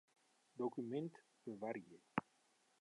Dokumint bewarje.